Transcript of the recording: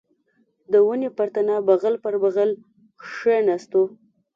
د ونې پر تنه بغل پر بغل کښېناستو.